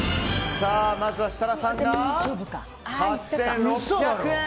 まずはシタラさんが８６００円。